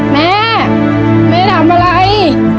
แม่แม่ทำอะไร